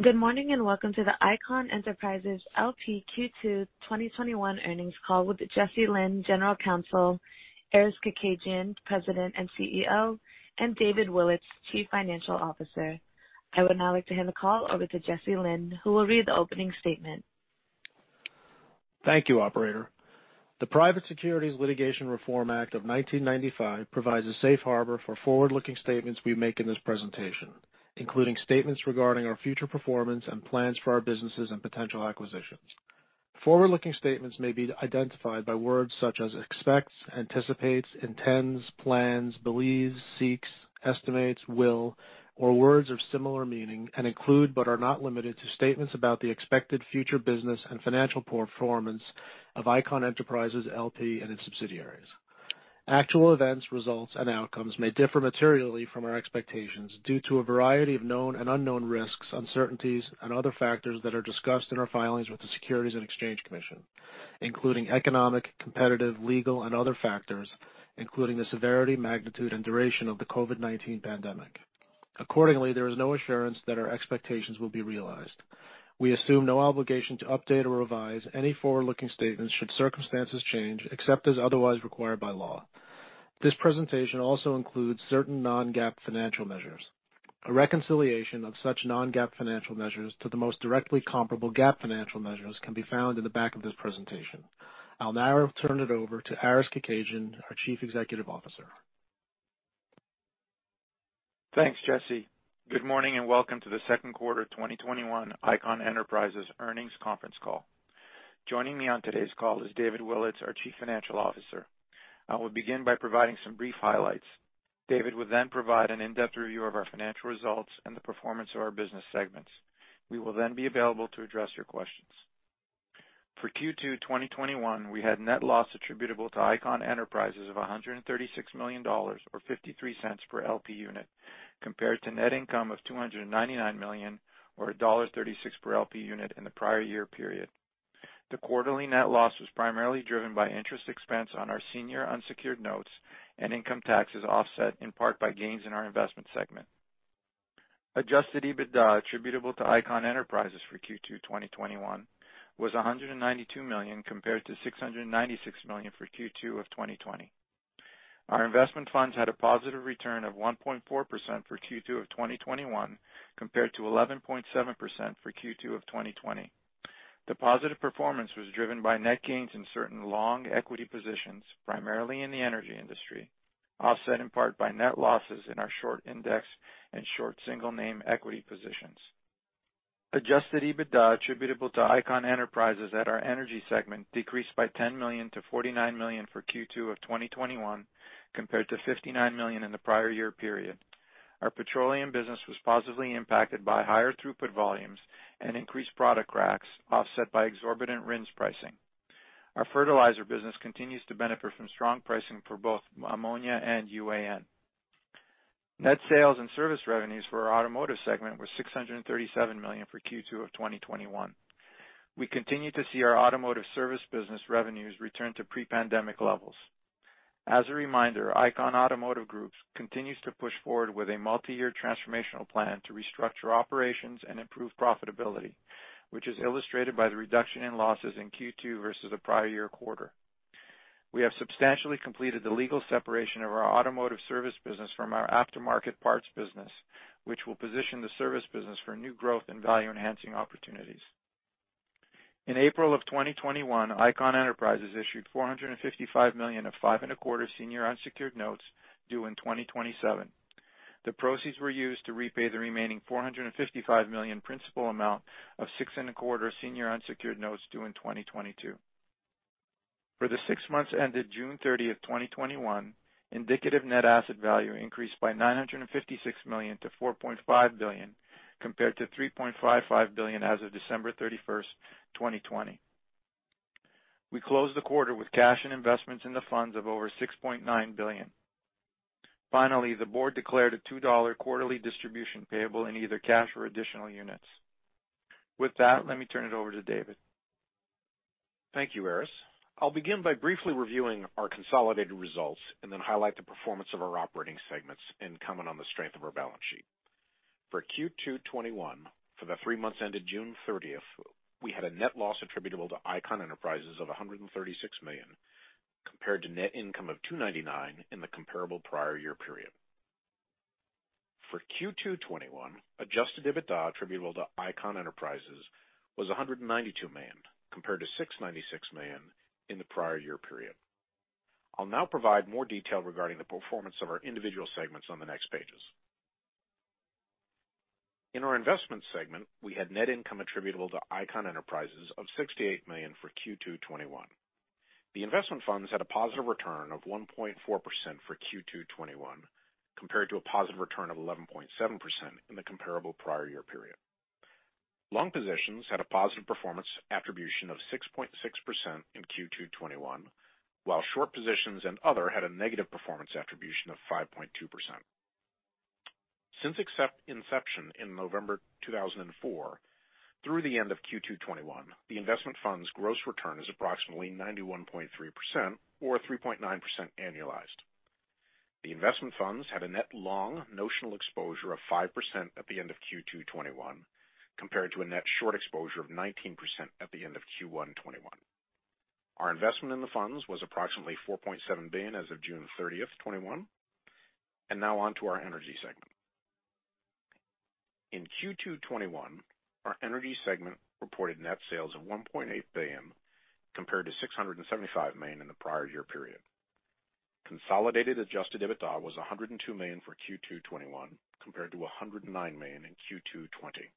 Good morning, welcome to the Icahn Enterprises LP Q2 2021 earnings call with Jesse Lynn, General Counsel, Aris Kekedjian, President and CEO, and David Willetts, Chief Financial Officer. I would now like to hand the call over to Jesse Lynn, who will read the opening statement. Thank you, operator. The Private Securities Litigation Reform Act of 1995 provides a safe harbor for forward-looking statements we make in this presentation, including statements regarding our future performance and plans for our businesses and potential acquisitions. Forward-looking statements may be identified by words such as expects, anticipates, intends, plans, believes, seeks, estimates, will, or words of similar meaning, and include, but are not limited to, statements about the expected future business and financial performance of Icahn Enterprises LP and its subsidiaries. Actual events, results, and outcomes may differ materially from our expectations due to a variety of known and unknown risks, uncertainties, and other factors that are discussed in our filings with the Securities and Exchange Commission, including economic, competitive, legal, and other factors, including the severity, magnitude, and duration of the COVID-19 pandemic. Accordingly, there is no assurance that our expectations will be realized. We assume no obligation to update or revise any forward-looking statements should circumstances change, except as otherwise required by law. This presentation also includes certain non-GAAP financial measures. A reconciliation of such non-GAAP financial measures to the most directly comparable GAAP financial measures can be found in the back of this presentation. I'll now turn it over to Aris Kekedjian, our Chief Executive Officer. Thanks, Jesse. Good morning and welcome to the second quarter 2021 Icahn Enterprises earnings conference call. Joining me on today's call is David Willetts, our Chief Financial Officer. I will begin by providing some brief highlights. David will then provide an in-depth review of our financial results and the performance of our business segments. We will then be available to address your questions. For Q2 2021, we had net loss attributable to Icahn Enterprises of $136 million, or $0.53 per LP unit, compared to net income of $299 million, or $1.36 per LP unit in the prior year period. The quarterly net loss was primarily driven by interest expense on our senior unsecured notes and income taxes offset in part by gains in our investment segment. Adjusted EBITDA attributable to Icahn Enterprises for Q2 2021 was $192 million, compared to $696 million for Q2 of 2020. Our investment funds had a positive return of 1.4% for Q2 of 2021, compared to 11.7% for Q2 of 2020. The positive performance was driven by net gains in certain long equity positions, primarily in the energy industry, offset in part by net losses in our short index and short single name equity positions. Adjusted EBITDA attributable to Icahn Enterprises at our energy segment decreased by $10 million to $49 million for Q2 of 2021, compared to $59 million in the prior year period. Our petroleum business was positively impacted by higher throughput volumes and increased product cracks, offset by exorbitant RINs pricing. Our fertilizer business continues to benefit from strong pricing for both ammonia and UAN. Net sales and service revenues for our automotive segment were $637 million for Q2 of 2021. We continue to see our automotive service business revenues return to pre-pandemic levels. As a reminder, Icahn Automotive Group continues to push forward with a multi-year transformational plan to restructure operations and improve profitability, which is illustrated by the reduction in losses in Q2 versus the prior year quarter. We have substantially completed the legal separation of our automotive service business from our aftermarket parts business, which will position the service business for new growth and value-enhancing opportunities. In April of 2021, Icahn Enterprises issued $455 million of 5.25 senior unsecured notes due in 2027. The proceeds were used to repay the remaining $455 million principal amount of 6.25 senior unsecured notes due in 2022. For the six months ended June 30, 2021, indicative net asset value increased by $956 million to $4.5 billion, compared to $3.55 billion as of December 31st, 2020. We closed the quarter with cash and investments in the funds of over $6.9 billion. Finally, the board declared a $2 quarterly distribution payable in either cash or additional units. With that, let me turn it over to David. Thank you, Aris Kekedjian. I'll begin by briefly reviewing our consolidated results and then highlight the performance of our operating segments and comment on the strength of our balance sheet. For Q2 2021, for the three months ended June 30, we had a net loss attributable to Icahn Enterprises of $136 million, compared to net income of $299 million in the comparable prior year period. For Q2 2021, adjusted EBITDA attributable to Icahn Enterprises was $192 million, compared to $696 million in the prior year period. I'll now provide more detail regarding the performance of our individual segments on the next pages. In our investment segment, we had net income attributable to Icahn Enterprises of $68 million for Q2 2021. The investment funds had a positive return of 1.4% for Q2 2021, compared to a positive return of 11.7% in the comparable prior year period. Long positions had a positive performance attribution of 6.6% in Q2 2021, while short positions and other had a negative performance attribution of 5.2%. Since inception in November 2004 Through the end of Q2 2021, the investment fund's gross return is approximately 91.3%, or 3.9% annualized. The investment funds had a net long notional exposure of 5% at the end of Q2 2021, compared to a net short exposure of 19% at the end of Q1 2021. Our investment in the funds was approximately $4.7 billion as of June 30, 2021. Now on to our energy segment. In Q2 2021, our energy segment reported net sales of $1.8 billion, compared to $675 million in the prior year period. Consolidated adjusted EBITDA was $102 million for Q2 2021, compared to $109 million in Q2 2020.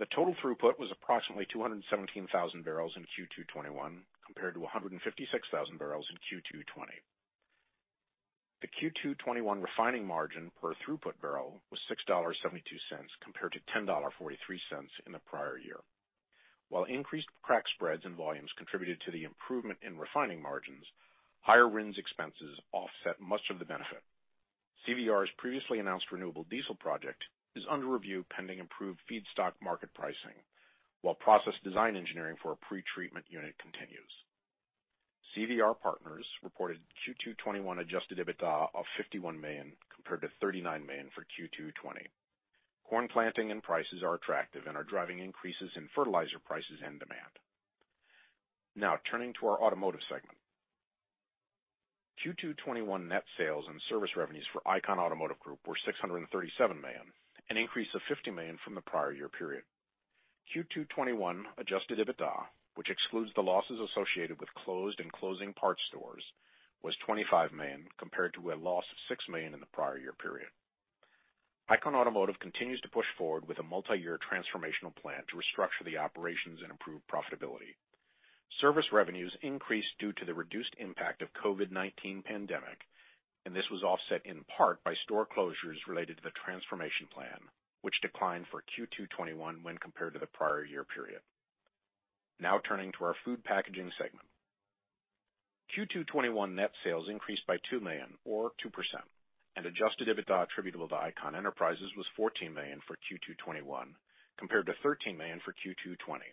The total throughput was approximately 217,000 barrels in Q2 2021, compared to 156,000 barrels in Q2 2020. The Q2 2021 refining margin per throughput barrel was $6.72, compared to $10.43 in the prior year. While increased crack spreads and volumes contributed to the improvement in refining margins, higher RINs expenses offset much of the benefit. CVR's previously announced renewable diesel project is under review pending improved feedstock market pricing, while process design engineering for a pretreatment unit continues. CVR Partners reported Q2 2021 adjusted EBITDA of $51 million, compared to $39 million for Q2 2020. Corn planting and prices are attractive and are driving increases in fertilizer prices and demand. Turning to our automotive segment. Q2 2021 net sales and service revenues for Icahn Automotive Group were $637 million, an increase of $50 million from the prior year period. Q2 2021 adjusted EBITDA, which excludes the losses associated with closed and closing parts stores, was $25 million, compared to a loss of $6 million in the prior year period. Icahn Automotive continues to push forward with a multiyear transformational plan to restructure the operations and improve profitability. Service revenues increased due to the reduced impact of COVID-19 pandemic, this was offset in part by store closures related to the transformation plan, which declined for Q2 2021 when compared to the prior year period. Turning to our food packaging segment. Q2 2021 net sales increased by $2 million, or 2%, and adjusted EBITDA attributable to Icahn Enterprises was $14 million for Q2 2021, compared to $13 million for Q2 2020.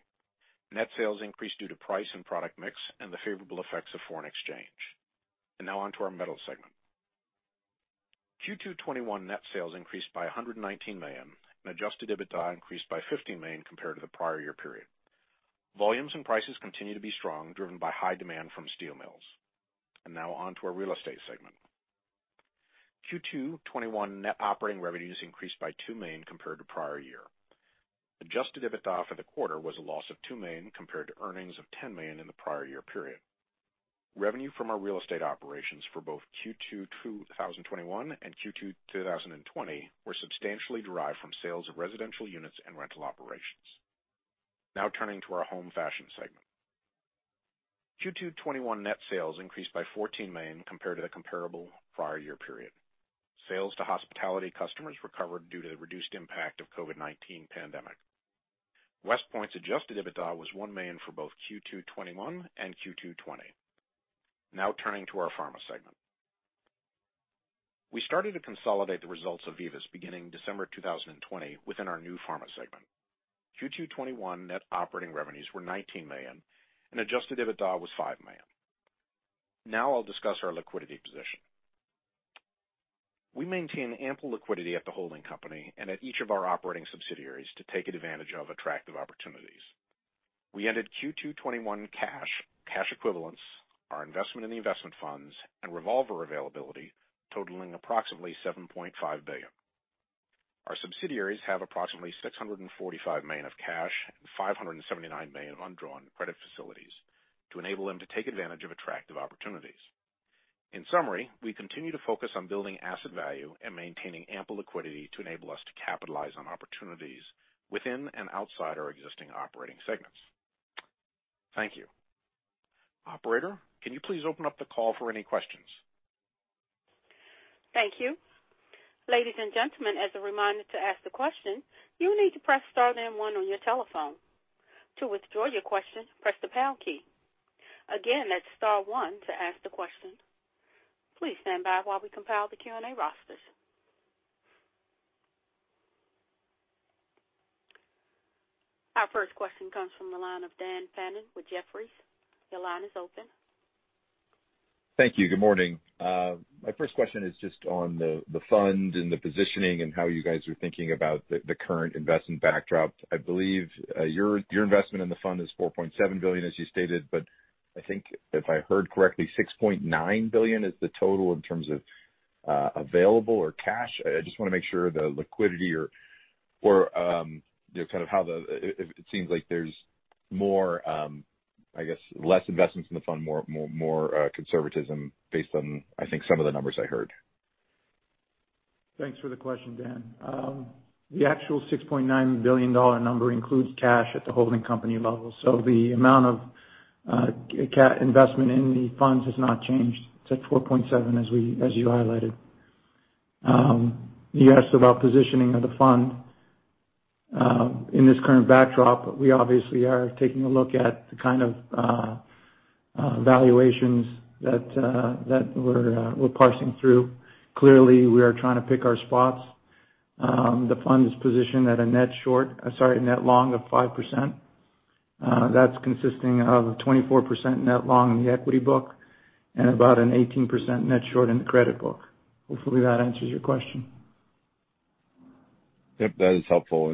Net sales increased due to price and product mix and the favorable effects of foreign exchange. On to our metals segment. Q2 2021 net sales increased by $119 million, and adjusted EBITDA increased by $15 million compared to the prior year period. Volumes and prices continue to be strong, driven by high demand from steel mills. Now on to our Real Estate segment. Q2 2021 net operating revenues increased by $2 million compared to prior year. Adjusted EBITDA for the quarter was a loss of $2 million, compared to earnings of $10 million in the prior year period. Revenue from our real estate operations for both Q2 2021 and Q2 2020 were substantially derived from sales of residential units and rental operations. Now turning to our Home Fashion segment. Q2 2021 net sales increased by $14 million compared to the comparable prior year period. Sales to hospitality customers recovered due to the reduced impact of COVID-19 pandemic. WestPoint's adjusted EBITDA was $1 million for both Q2 2021 and Q2 2020. Now turning to our Pharma segment. We started to consolidate the results of VIVUS beginning December 2020 within our new Pharma segment. Q2 2021 net operating revenues were $19 million, and adjusted EBITDA was $5 million. Now I'll discuss our liquidity position. We maintain ample liquidity at the holding company and at each of our operating subsidiaries to take advantage of attractive opportunities. We ended Q2 2021 cash equivalents, our investment in the investment funds, and revolver availability totaling approximately $7.5 billion. Our subsidiaries have approximately $645 million of cash and $579 million of undrawn credit facilities to enable them to take advantage of attractive opportunities. In summary, we continue to focus on building asset value and maintaining ample liquidity to enable us to capitalize on opportunities within and outside our existing operating segments. Thank you. Operator, can you please open up the call for any questions? Thank you. Ladies and gentlemen, as a reminder to ask the question, you need to press star then one on your telephone. To withdraw your question, press the pound key. Again, that's star one to ask the question. Please stand by while we compile the Q&A rosters. Our first question comes from the line of Dan Fannon with Jefferies. Your line is open. Thank you. Good morning. My first question is just on the fund and the positioning and how you guys are thinking about the current investment backdrop. I believe your investment in the fund is $4.7 billion, as you stated. I think if I heard correctly, $6.9 billion is the total in terms of available or cash. I just want to make sure the liquidity, or it seems like there's more, I guess less investments in the fund, more conservatism based on, I think, some of the numbers I heard. Thanks for the question, Dan. The actual $6.9 billion number includes cash at the holding company level. The amount of investment in the funds has not changed. It's at $4.7 billion as you highlighted. You asked about positioning of the fund in this current backdrop. We obviously are taking a look at the kind of Valuations that we're parsing through. Clearly, we are trying to pick our spots. The fund is positioned at a net long of 5%. That's consisting of 24% net long in the equity book and about an 18% net short in the credit book. Hopefully that answers your question. Yep. That is helpful.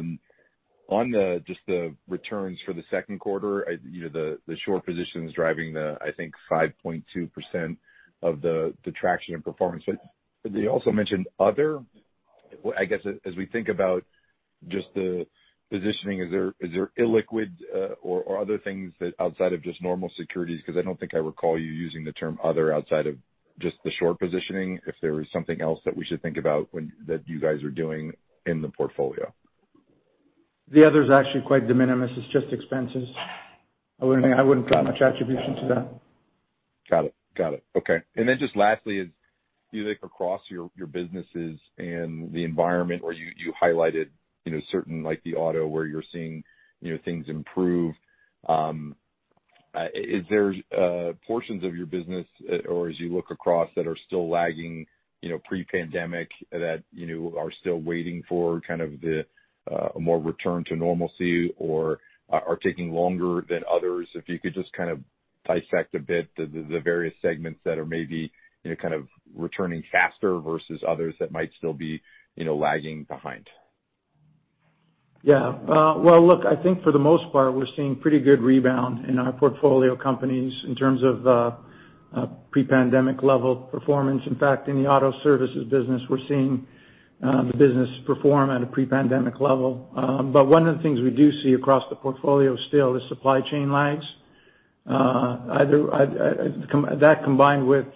On just the returns for the second quarter, the short position is driving the, I think, 5.2% of the traction and performance. You also mentioned other. I guess, as we think about just the positioning, is there illiquid or other things that outside of just normal securities, because I don't think I recall you using the term other outside of just the short positioning, if there is something else that we should think about that you guys are doing in the portfolio. The other is actually quite de minimis. It's just expenses. I wouldn't put much attribution to that. Got it. Okay. Then just lastly is, you look across your businesses and the environment where you highlighted certain, like the auto, where you're seeing things improve. Is there portions of your business or as you look across that are still lagging pre-pandemic that you know are still waiting for kind of the more return to normalcy or are taking longer than others? If you could just kind of dissect a bit the various segments that are maybe kind of returning faster versus others that might still be lagging behind. Yeah. Well, look, I think for the most part, we're seeing pretty good rebound in our portfolio companies in terms of pre-pandemic level performance. In fact, in the auto services business, we're seeing the business perform at a pre-pandemic level. One of the things we do see across the portfolio still is supply chain lags. That combined with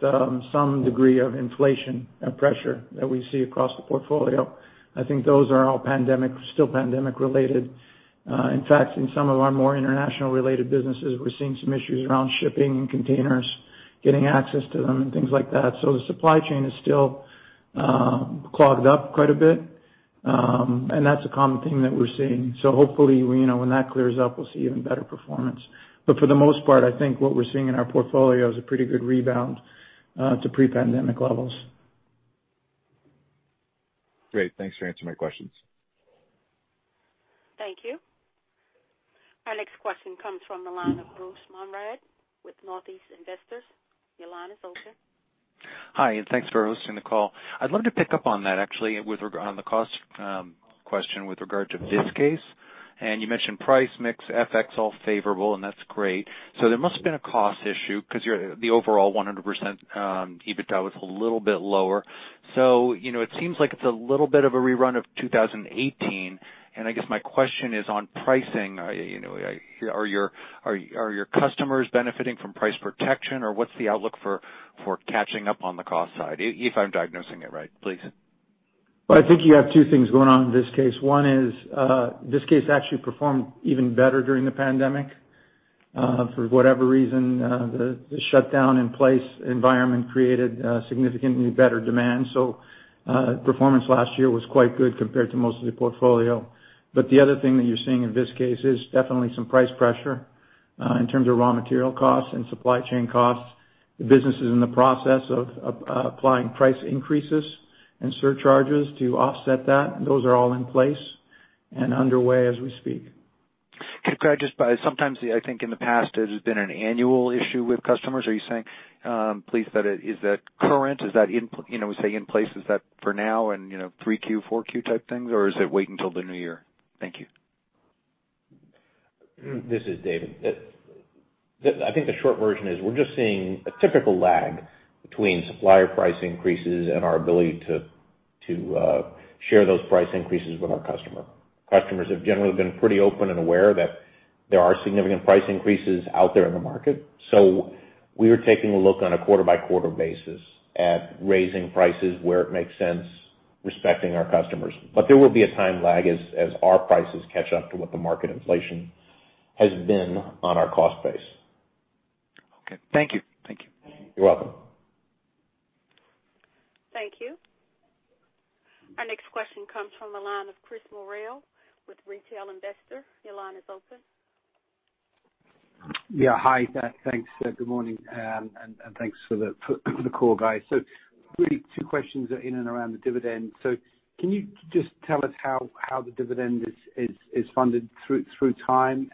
some degree of inflation and pressure that we see across the portfolio. I think those are all still pandemic related. In fact, in some of our more international related businesses, we're seeing some issues around shipping and containers, getting access to them and things like that. The supply chain is still clogged up quite a bit. That's a common theme that we're seeing. Hopefully, when that clears up, we'll see even better performance. For the most part, I think what we're seeing in our portfolio is a pretty good rebound to pre-pandemic levels. Great. Thanks for answering my questions. Thank you. Our next question comes from the line of Bruce Monrad with Northeast Investors. Your line is open. Hi, thanks for hosting the call. I'd love to pick up on that actually on the cost question with regard to this Viskase. You mentioned price mix, FX, all favorable, and that's great. There must have been a cost issue because the overall 100% EBITDA was a little bit lower. It seems like it's a little bit of a rerun of 2018. I guess my question is on pricing. Are your customers benefiting from price protection, or what's the outlook for catching up on the cost side, if I'm diagnosing it right, please? I think you have two things going on in Viskase. One is, Viskase actually performed even better during the pandemic. For whatever reason, the shutdown in place environment created significantly better demand. Performance last year was quite good compared to most of the portfolio. The other thing that you're seeing in Viskase is definitely some price pressure in terms of raw material costs and supply chain costs. The business is in the process of applying price increases and surcharges to offset that. Those are all in place and underway as we speak. Could I sometimes I think in the past, it has been an annual issue with customers. Are you saying, please, is that current? Is that, say, in place, is that for now and 3Q, 4Q type things, or is it wait until the new year? Thank you. This is David. I think the short version is we're just seeing a typical lag between supplier price increases and our ability to share those price increases with our customer. Customers have generally been pretty open and aware that there are significant price increases out there in the market. We are taking a look on a quarter-by-quarter basis at raising prices where it makes sense, respecting our customers. There will be a time lag as our prices catch up to what the market inflation has been on our cost base. Okay. Thank you. You're welcome. Thank you. Our next question comes from the line of Chris Morrell with Retail Investor. Your line is open. Yeah. Hi. Thanks. Good morning, and thanks for the call, guys. Really two questions in and around the dividend. Can you just tell us how the dividend is funded through time?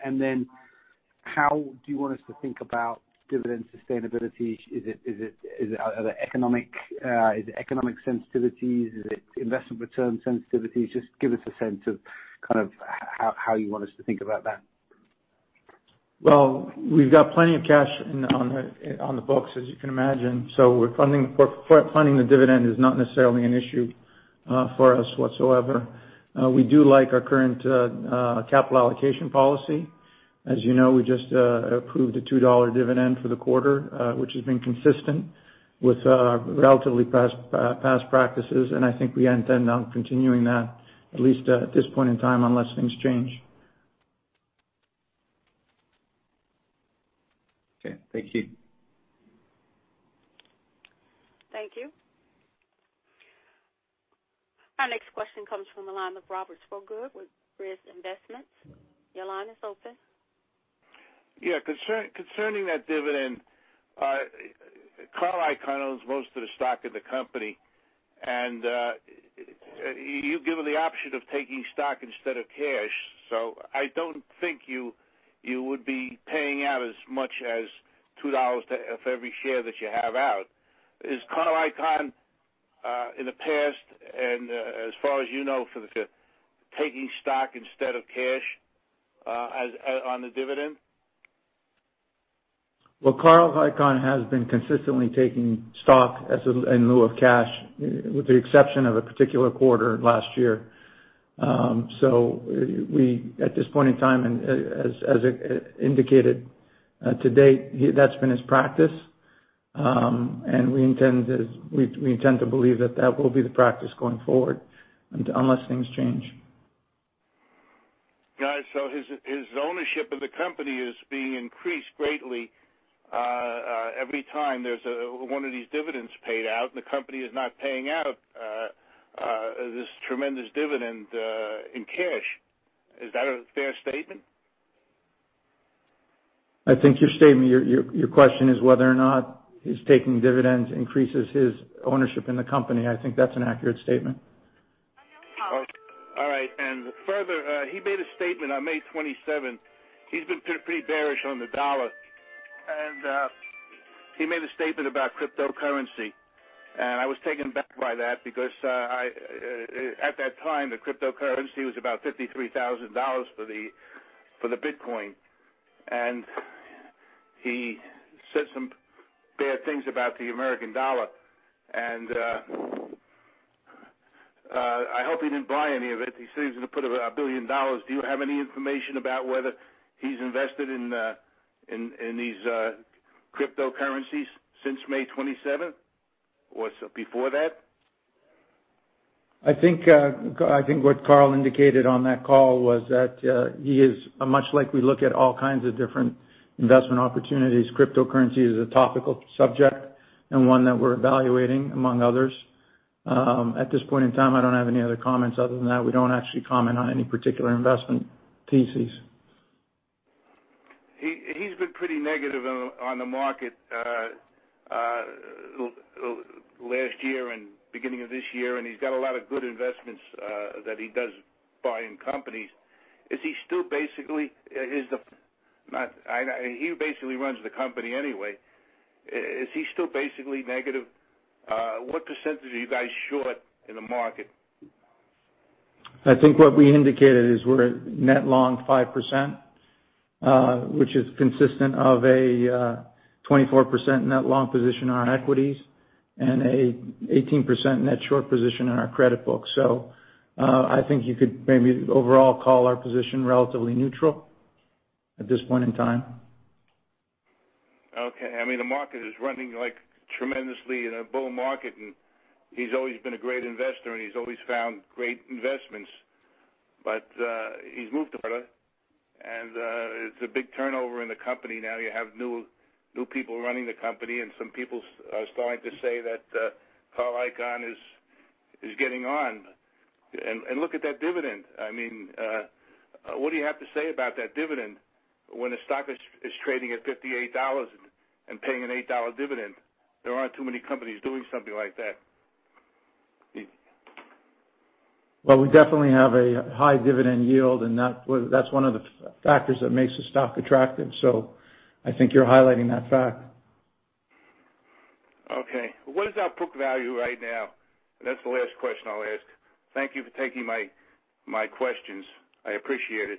How do you want us to think about dividend sustainability? Is it economic sensitivities? Is it investment return sensitivities? Just give us a sense of kind of how you want us to think about that. We've got plenty of cash on the books, as you can imagine. Funding the dividend is not necessarily an issue for us whatsoever. We do like our current capital allocation policy. As you know, we just approved a $2 dividend for the quarter, which has been consistent with relatively past practices, and I think we intend on continuing that, at least at this point in time, unless things change. Okay. Thank you. Thank you. Our next question comes from the line of Robert Swogger with Rizz Investments. Your line is open. Yeah, concerning that dividend, Carl Icahn owns most of the stock in the company, and you're given the option of taking stock instead of cash. I don't think you would be paying out as much as $2 for every share that you have out. Is Carl Icahn, in the past and as far as you know, taking stock instead of cash on the dividend? Well, Carl Icahn has been consistently taking stock in lieu of cash, with the exception of a particular quarter last year. At this point in time, as indicated to date, that's been his practice. We intend to believe that will be the practice going forward unless things change. Got it. His ownership of the company is being increased greatly every time there's one of these dividends paid out, and the company is not paying out this tremendous dividend in cash. Is that a fair statement? I think your question is whether or not his taking dividends increases his ownership in the company. I think that's an accurate statement. All right. Further, he made a statement on May 27th. He's been pretty bearish on the U.S. dollar, and he made a statement about cryptocurrency. I was taken aback by that because, at that time, the cryptocurrency was about $53,000 for the Bitcoin. He said some bad things about the U.S. dollar, and I hope he didn't buy any of it. He says he's going to put $1 billion. Do you have any information about whether he's invested in these cryptocurrencies since May 27th or before that? I think what Carl indicated on that call was that he is much like we look at all kinds of different investment opportunities. Cryptocurrency is a topical subject and one that we're evaluating, among others. At this point in time, I don't have any other comments other than that. We don't actually comment on any particular investment theses. He's been pretty negative on the market last year and beginning of this year, and he's got a lot of good investments that he does buy in companies. He basically runs the company anyway. Is he still basically negative? What percentage are you guys short in the market? I think what we indicated is we're net long 5%, which is consistent of a 24% net long position on equities and an 18% net short position in our credit book. I think you could maybe overall call our position relatively neutral at this point in time. Okay. The market is running tremendously in a bull market, and he's always been a great investor, and he's always found great investments. He's moved apart, and it's a big turnover in the company now. You have new people running the company, and some people are starting to say that Carl Icahn is getting on. Look at that dividend. What do you have to say about that dividend when a stock is trading at $58 and paying an $8 dividend? There aren't too many companies doing something like that. We definitely have a high dividend yield, and that's one of the factors that makes the stock attractive. I think you're highlighting that fact. Okay. What is our book value right now? That's the last question I'll ask. Thank you for taking my questions. I appreciate it.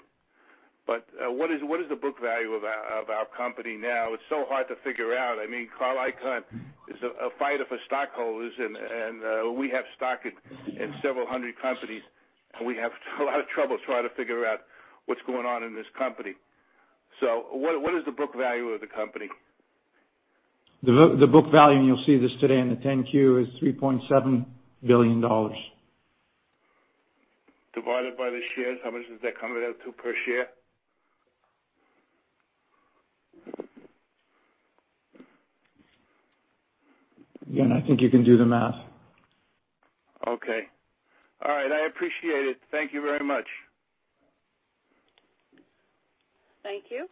What is the book value of our company now? It's so hard to figure out. Carl Icahn is a fighter for stockholders, and we have stock in several hundred companies, and we have a lot of trouble trying to figure out what's going on in this company. What is the book value of the company? The book value, and you'll see this today in the 10-Q, is $3.7 billion. Divided by the shares, how much does that come out to per share? Again, I think you can do the math. Okay. All right, I appreciate it. Thank you very much. Thank you.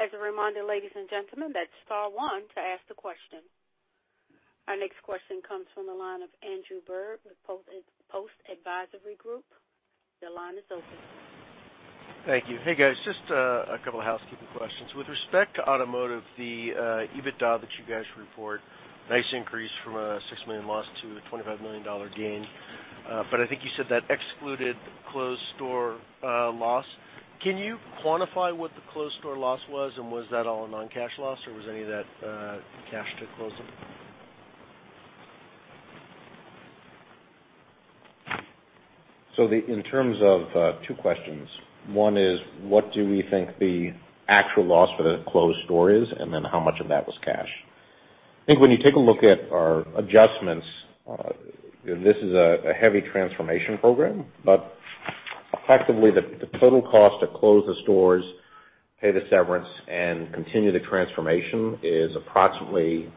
As a reminder, ladies and gentlemen, that's star one to ask the question. Our next question comes from the line of Andrew Berg with Post Advisory Group. Your line is open. Thank you. Hey, guys, just a couple housekeeping questions. With respect to Automotive, the EBITDA that you guys report, nice increase from a $6 million loss to a $25 million gain. I think you said that excluded closed-store loss. Can you quantify what the closed-store loss was, and was that all a non-cash loss, or was any of that cash to close them? In terms of two questions. One is, what do we think the actual loss for the closed store is, and then how much of that was cash? I think when you take a look at our adjustments, this is a heavy transformation program, but effectively, the total cost to close the stores, pay the severance, and continue the transformation is approximately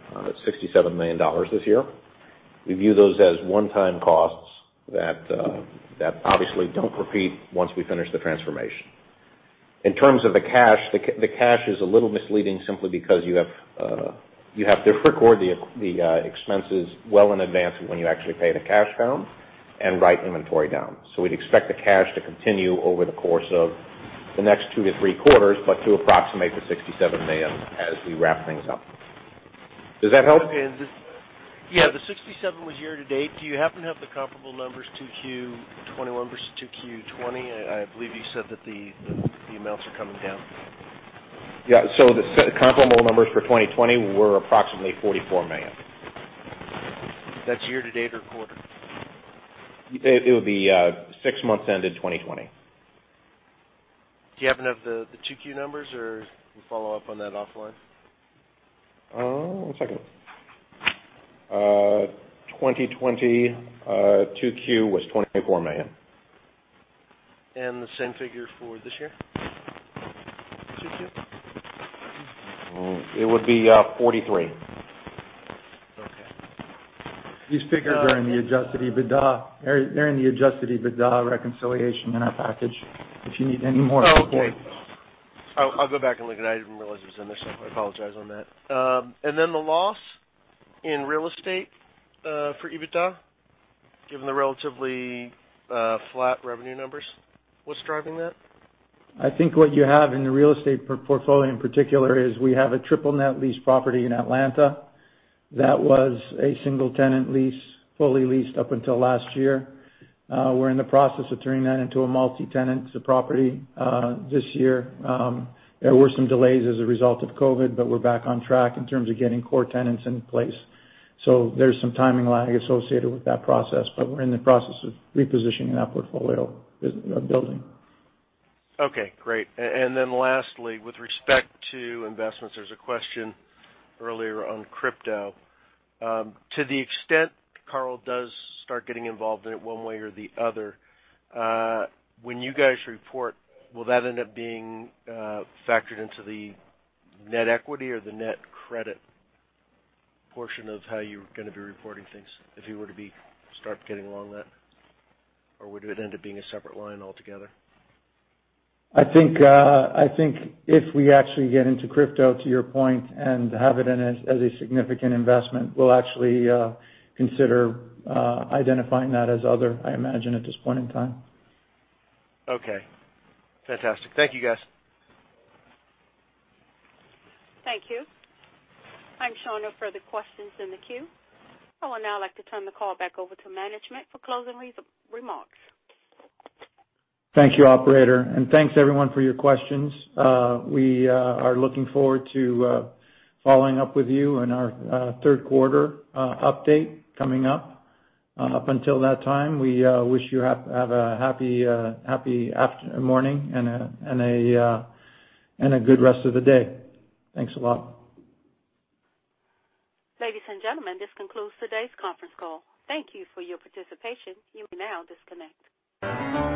$67 million this year. We view those as one-time costs that obviously don't repeat once we finish the transformation. In terms of the cash, the cash is a little misleading simply because you have to record the expenses well in advance of when you actually pay the cash down and write inventory down. We'd expect the cash to continue over the course of the next two to three quarters, but to approximate the $67 million as we wrap things up. Does that help? Yeah. The $67 was year to date. Do you happen to have the comparable numbers to Q21 versus to Q20? I believe you said that the amounts are coming down. The comparable numbers for 2020 were approximately $44 million. That's year to date or quarter? It would be six months ended 2020. Do you happen to have the 2Q numbers, or we follow up on that offline? One second. 2020, 2Q was $24 million. The same figure for this year, 2Q? It would be $43 million. Okay. These figures are in the adjusted EBITDA reconciliation in our package, if you need any more support. Oh, okay. I'll go back and look at it. I didn't realize it was in there, so I apologize on that. The loss in real estate for EBITDA, given the relatively flat revenue numbers. What's driving that? I think what you have in the real estate portfolio in particular is we have a triple net lease property in Atlanta that was a single-tenant lease, fully leased up until last year. We're in the process of turning that into a multi-tenant property this year. There were some delays as a result of COVID, but we're back on track in terms of getting core tenants in place. there's some timing lag associated with that process, but we're in the process of repositioning that portfolio, building. Okay, great. Lastly, with respect to investments, there's a question earlier on crypto. To the extent Carl does start getting involved in it one way or the other, when you guys report, will that end up being factored into the net equity or the net credit portion of how you're going to be reporting things, if he were to start getting along that? Would it end up being a separate line altogether? I think if we actually get into crypto, to your point, and have it in as a significant investment, we'll actually consider identifying that as other, I imagine, at this point in time. Okay. Fantastic. Thank you, guys. Thank you. I'm showing no further questions in the queue. I would now like to turn the call back over to management for closing remarks. Thank you, operator. Thanks everyone for your questions. We are looking forward to following up with you in our third quarter update coming up. Up until that time, we wish you have a happy morning and a good rest of the day. Thanks a lot. Ladies and gentlemen, this concludes today's conference call. Thank you for your participation. You may now disconnect.